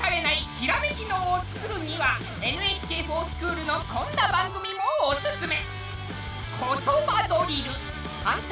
ひらめき脳をつくるには「ＮＨＫｆｏｒＳｃｈｏｏｌ」のこんな番組もおすすめ。